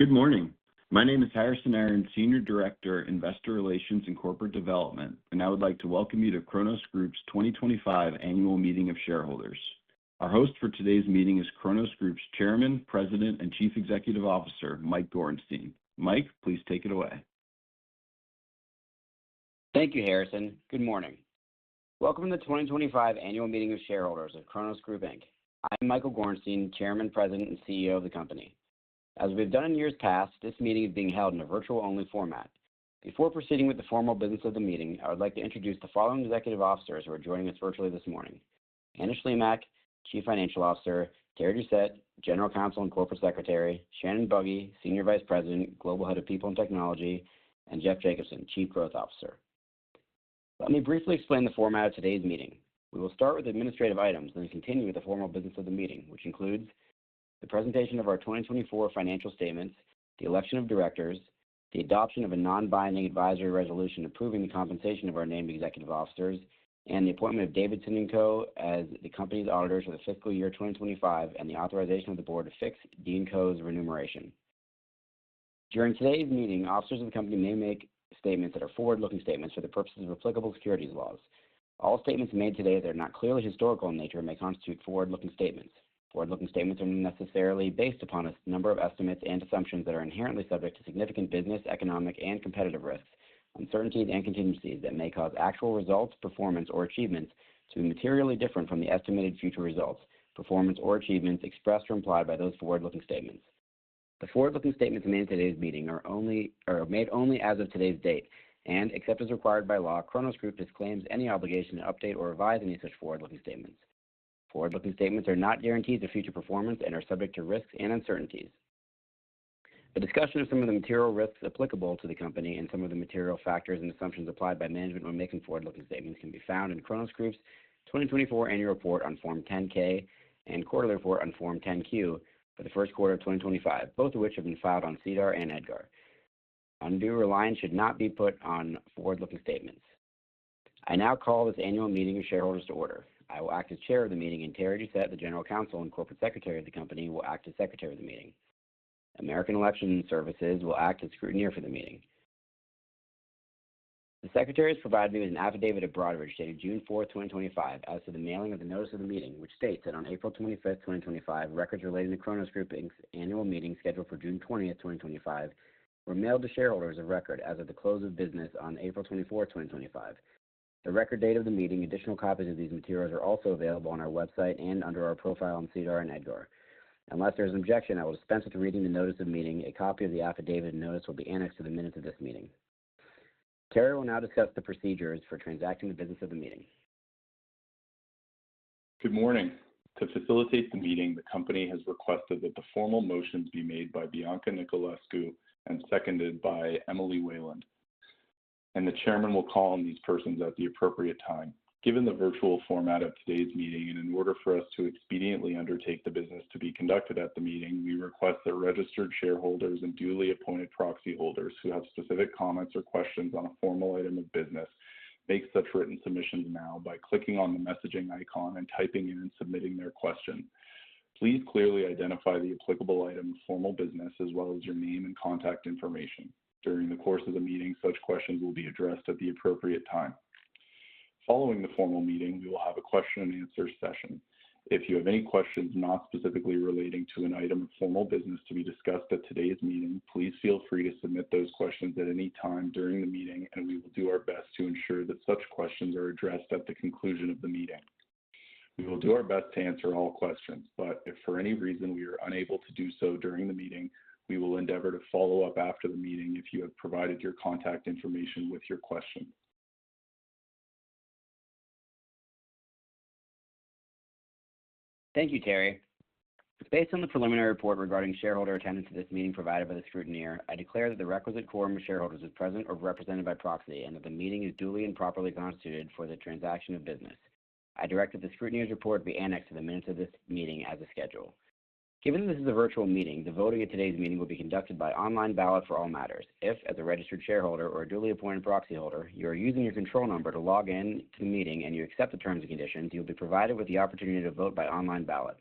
Good morning. My name is Harrison Aaron, Senior Director, Investor Relations, and Corporate Development, and I would like to welcome you to Cronos Group's 2025 Annual Meeting of Shareholders. Our host for today's meeting is Cronos Group's Chairman, President, and Chief Executive Officer, Michael Gorenstein. Mike, please take it away. Thank you, Harrison. Good morning. Welcome to the 2025 Annual Meeting of Shareholders of Cronos Group. I am Michael Gorenstein, Chairman, President, and CEO of the company. As we have done in years past, this meeting is being held in a virtual-only format. Before proceeding with the formal business of the meeting, I would like to introduce the following executive officers who are joining us virtually this morning: Anna Shlimak, Chief Financial Officer; Terry Doucet, General Counsel and Corporate Secretary; Shannon Buggy, Senior Vice President, Global Head of People and Technology; and Jeff Jacobson, Chief Growth Officer. Let me briefly explain the format of today's meeting. We will start with administrative items and then continue with the formal business of the meeting, which includes the presentation of our 2024 financial statements, the election of directors, the adoption of a non-binding advisory resolution approving the compensation of our named executive officers, and the appointment of Davidson & Co as the company's auditor for the fiscal year 2025, and the authorization of the board to fix D&Co's remuneration. During today's meeting, officers of the company may make statements that are forward-looking statements for the purposes of applicable securities laws. All statements made today that are not clearly historical in nature may constitute forward-looking statements. Forward-looking statements are not necessarily based upon a number of estimates and assumptions that are inherently subject to significant business, economic, and competitive risks, uncertainties, and contingencies that may cause actual results, performance, or achievements to be materially different from the estimated future results, performance, or achievements expressed or implied by those forward-looking statements. The forward-looking statements made in today's meeting are made only as of today's date and, except as required by law, Cronos Group disclaims any obligation to update or revise any such forward-looking statements. Forward-looking statements are not guarantees of future performance and are subject to risks and uncertainties. The discussion of some of the material risks applicable to the company and some of the material factors and assumptions applied by management when making forward-looking statements can be found in Cronos Group's 2024 Annual Report on Form 10-K and quarterly report on Form 10-Q for the first quarter of 2025, both of which have been filed on SEDAR and EDGAR. Undue reliance should not be put on forward-looking statements. I now call this annual meeting of shareholders to order. I will act as Chair of the meeting, and Terry Doucet, the General Counsel and Corporate Secretary of the company, will act as secretary of the meeting. American Election Services will act as scrutineer for the meeting. The Secretary has provided me with an affidavit of bribery dated June 4, 2025, as to the mailing of the notice of the meeting, which states that on April 25th, 2025, records relating to Cronos Group's annual meeting scheduled for June 20, 2025, were mailed to shareholders of record as of the close of business on April 24, 2025. The record date of the meeting and additional copies of these materials are also available on our website and under our profile on SEDAR and EDGAR. Unless there is an objection, I will dispense with reading the notice of the meeting. A copy of the affidavit and notice will be annexed to the minutes of this meeting. Terry will now discuss the procedures for transacting the business of the meeting. Good morning. To facilitate the meeting, the company has requested that the formal motions be made by Bianca Nicolescu and seconded by Emily Whalen. The Chairman will call on these persons at the appropriate time. Given the virtual format of today's meeting and in order for us to expediently undertake the business to be conducted at the meeting, we request that registered shareholders and duly appointed proxy holders who have specific comments or questions on a formal item of business make such written submissions now by clicking on the messaging icon and typing in and submitting their question. Please clearly identify the applicable item of formal business as well as your name and contact information. During the course of the meeting, such questions will be addressed at the appropriate time. Following the formal meeting, we will have a question-and-answer session. If you have any questions not specifically relating to an item of formal business to be discussed at today's meeting, please feel free to submit those questions at any time during the meeting, and we will do our best to ensure that such questions are addressed at the conclusion of the meeting. We will do our best to answer all questions, but if for any reason we are unable to do so during the meeting, we will endeavor to follow up after the meeting if you have provided your contact information with your question. Thank you, Terry. Based on the preliminary report regarding shareholder attendance at this meeting provided by the scrutineer, I declare that the requisite quorum of shareholders is present or represented by proxy and that the meeting is duly and properly constituted for the transaction of business. I direct that the scrutineer's report be annexed to the minutes of this meeting as of schedule. Given that this is a virtual meeting, the voting at today's meeting will be conducted by online ballot for all matters. If, as a registered shareholder or a duly appointed proxy holder, you are using your control number to log in to the meeting and you accept the terms and conditions, you will be provided with the opportunity to vote by online ballot.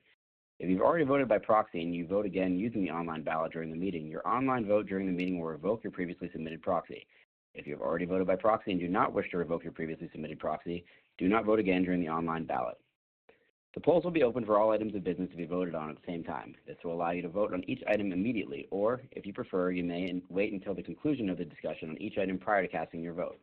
If you've already voted by proxy and you vote again using the online ballot during the meeting, your online vote during the meeting will revoke your previously submitted proxy. If you have already voted by proxy and do not wish to revoke your previously submitted proxy, do not vote again during the online ballot. The polls will be open for all items of business to be voted on at the same time. This will allow you to vote on each item immediately, or if you prefer, you may wait until the conclusion of the discussion on each item prior to casting your vote.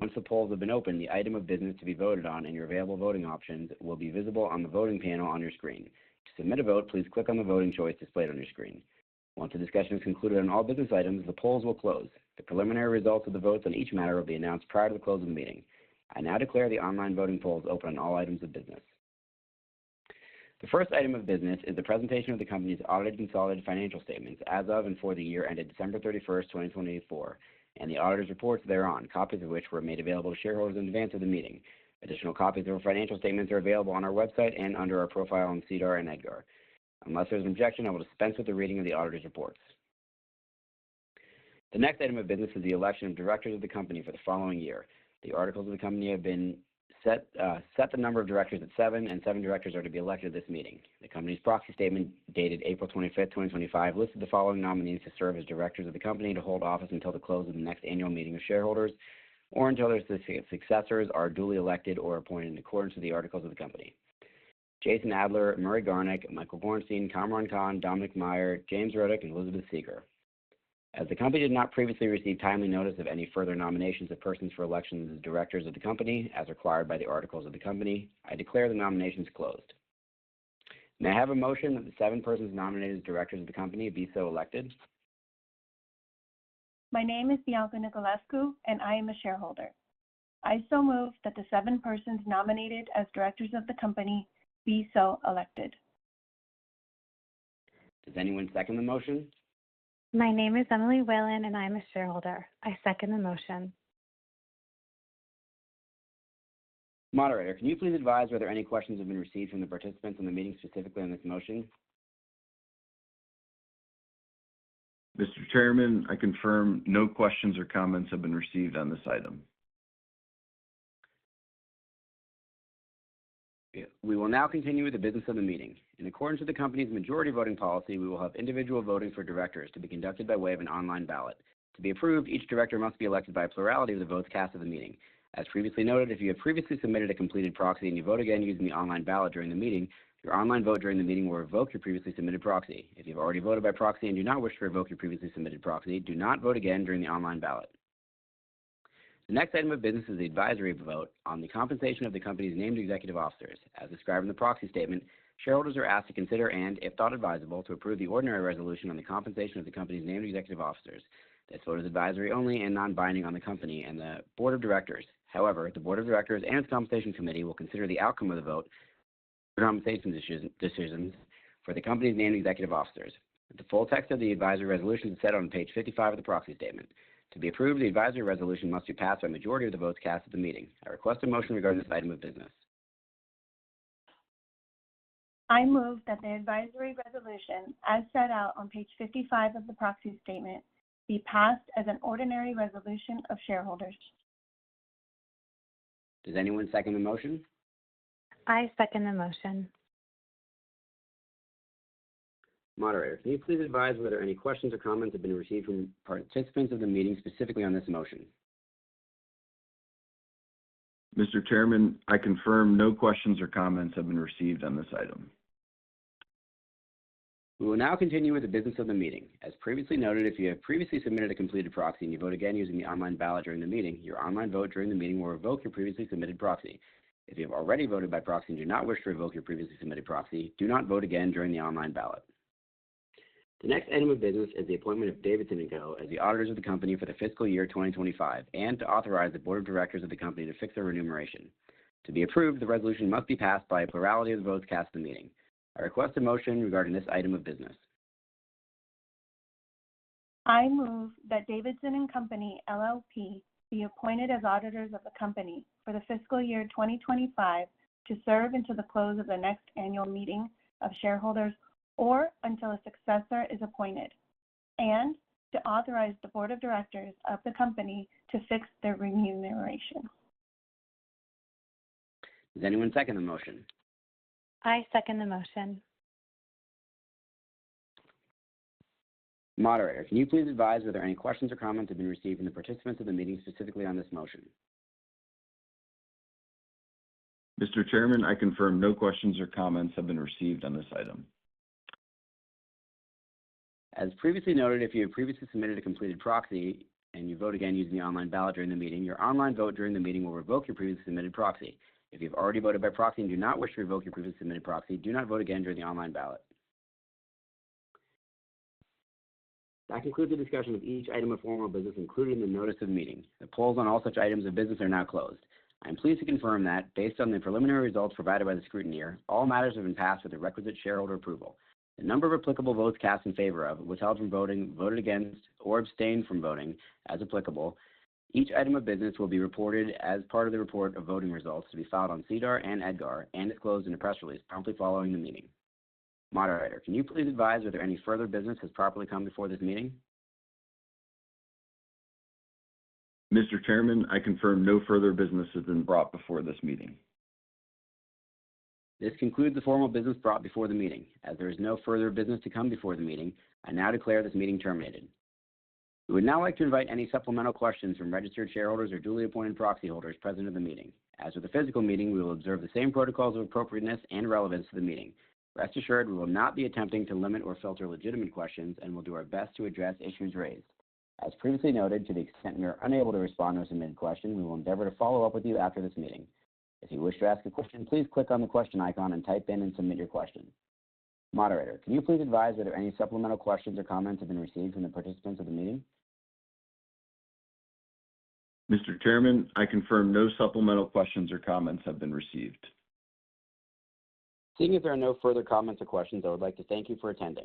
Once the polls have been open, the item of business to be voted on and your available voting options will be visible on the voting panel on your screen. To submit a vote, please click on the voting choice displayed on your screen. Once the discussion is concluded on all business items, the polls will close. The preliminary results of the votes on each matter will be announced prior to the close of the meeting. I now declare the online voting polls open on all items of business. The first item of business is the presentation of the company's audited and consolidated financial statements as of and for the year ended December 31st, 2024, and the auditor's reports thereon, copies of which were made available to shareholders in advance of the meeting. Additional copies of our financial statements are available on our website and under our profile on SEDAR and EDGAR. Unless there is an objection, I will dispense with the reading of the auditor's reports. The next item of business is the election of directors of the company for the following year. The articles of the company have been set the number of directors at seven, and seven directors are to be elected at this meeting. The company's proxy statement dated April 25th, 2025, listed the following nominees to serve as directors of the company and to hold office until the close of the next annual meeting of shareholders or until their successors are duly elected or appointed in accordance with the articles of the company: Jason Adler, Murray Garnick, Michael Gorenstein, Cameron Kahn, Dominic Meier, James Rudyk, and Elizabeth Seegar. As the company did not previously receive timely notice of any further nominations of persons for election as directors of the company, as required by the articles of the company, I declare the nominations closed. May I have a motion that the seven persons nominated as directors of the company be so elected? My name is Bianca Nicolescu, and I am a shareholder. I so move that the seven persons nominated as directors of the company be so elected. Does anyone second the motion? My name is Emily Whalen, and I'm a shareholder. I second the motion. Moderator, can you please advise whether any questions have been received from the participants in the meeting specifically on this motion? Mr. Chairman, I confirm no questions or comments have been received on this item. We will now continue with the business of the meeting. In accordance with the company's majority voting policy, we will have individual voting for directors to be conducted by way of an online ballot. To be approved, each director must be elected by plurality of the votes cast at the meeting. As previously noted, if you have previously submitted a completed proxy and you vote again using the online ballot during the meeting, your online vote during the meeting will revoke your previously submitted proxy. If you have already voted by proxy and do not wish to revoke your previously submitted proxy, do not vote again during the online ballot. The next item of business is the advisory vote on the compensation of the company's named executive officers. As described in the proxy statement, shareholders are asked to consider and, if thought advisable, to approve the ordinary resolution on the compensation of the company's named executive officers. This vote is advisory only and non-binding on the company and the board of directors. However, the board of directors and its compensation committee will consider the outcome of the vote for compensation decisions for the company's named executive officers. The full text of the advisory resolution is set on page 55 of the proxy statement. To be approved, the advisory resolution must be passed by a majority of the votes cast at the meeting. I request a motion regarding this item of business. I move that the advisory resolution, as set out on page 55 of the proxy statement, be passed as an ordinary resolution of shareholders. Does anyone second the motion? I second the motion. Moderator, can you please advise whether any questions or comments have been received from participants of the meeting specifically on this motion? Mr. Chairman, I confirm no questions or comments have been received on this item. We will now continue with the business of the meeting. As previously noted, if you have previously submitted a completed proxy and you vote again using the online ballot during the meeting, your online vote during the meeting will revoke your previously submitted proxy. If you have already voted by proxy and do not wish to revoke your previously submitted proxy, do not vote again during the online ballot. The next item of business is the appointment of Davidson & Co as the auditor of the company for the fiscal year 2025 and to authorize the board of directors of the company to fix their remuneration. To be approved, the resolution must be passed by a plurality of the votes cast at the meeting. I request a motion regarding this item of business. I move that Davidson & Company LLP be appointed as auditors of the company for the fiscal year 2025 to serve until the close of the next annual meeting of shareholders or until a successor is appointed and to authorize the board of directors of the company to fix their remuneration. Does anyone second the motion? I second the motion. Moderator, can you please advise whether any questions or comments have been received from the participants of the meeting specifically on this motion? Mr. Chairman, I confirm no questions or comments have been received on this item. As previously noted, if you have previously submitted a completed proxy and you vote again using the online ballot during the meeting, your online vote during the meeting will revoke your previously submitted proxy. If you have already voted by proxy and do not wish to revoke your previously submitted proxy, do not vote again during the online ballot. That concludes the discussion of each item of formal business included in the notice of the meeting. The polls on all such items of business are now closed. I am pleased to confirm that, based on the preliminary results provided by the scrutineer, all matters have been passed with the requisite shareholder approval. The number of applicable votes cast in favor of, withheld from voting, voted against, or abstained from voting as applicable, each item of business will be reported as part of the report of voting results to be filed on SEDAR and EDGAR and disclosed in a press release promptly following the meeting. Moderator, can you please advise whether any further business has properly come before this meeting? Mr. Chairman, I confirm no further business has been brought before this meeting. This concludes the formal business brought before the meeting. As there is no further business to come before the meeting, I now declare this meeting terminated. We would now like to invite any supplemental questions from registered shareholders or duly appointed proxy holders present at the meeting. As with the physical meeting, we will observe the same protocols of appropriateness and relevance to the meeting. Rest assured, we will not be attempting to limit or filter legitimate questions and will do our best to address issues raised. As previously noted, to the extent we are unable to respond to a submitted question, we will endeavor to follow up with you after this meeting. If you wish to ask a question, please click on the question icon and type in and submit your question. Moderator, can you please advise whether any supplemental questions or comments have been received from the participants of the meeting? Mr. Chairman, I confirm no supplemental questions or comments have been received. Seeing as there are no further comments or questions, I would like to thank you for attending.